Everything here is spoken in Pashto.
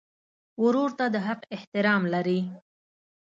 ورور ته د حق احترام لرې.